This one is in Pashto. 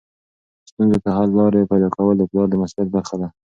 ستونزو ته حل لارې پیدا کول د پلار د مسؤلیت برخه ده.